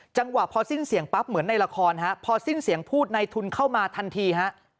จังหวะพอสิ้นเสียงปั๊บเหมือนในละครฮะพอสิ้นเสียงพูดในทุนเข้ามาทันทีฮะ